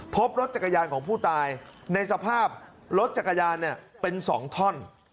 พบรถจักรยานของผู้ตายในสภาพรถจักรยานเป็น๒ท่อน